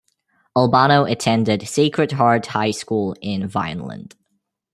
Albano attended Sacred Heart High School in Vineland.